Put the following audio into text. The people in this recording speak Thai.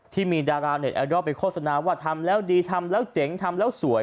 ที่มีดาราเน็ตไอดอลไปโฆษณาว่าทำแล้วดีทำแล้วเจ๋งทำแล้วสวย